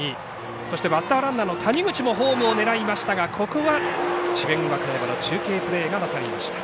そしてバッターランナーの谷口もホームを狙いましたが、ここは智弁和歌山の中継プレーが勝りました。